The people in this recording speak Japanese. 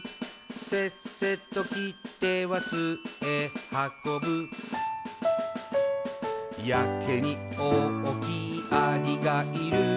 「せっせと切っては巣へはこぶ」「やけに大きいアリがいる」